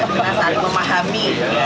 kita saling memahami